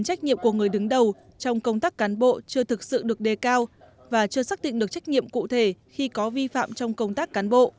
trách nhiệm của người đứng đầu trong công tác cán bộ chưa thực sự được đề cao và chưa xác định được trách nhiệm cụ thể khi có vi phạm trong công tác cán bộ